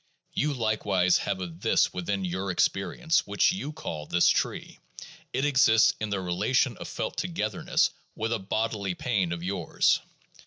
You likewise have a "this" within your experience which you call "this tree" ; it exists in the relation of felt togetherness with a bodily pain of yours.